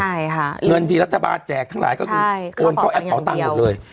ใช่ค่ะเงินที่รัฐบาลแจกทั้งหลายก็คือโอนเข้าแอปเป่าตังค์หมดเลย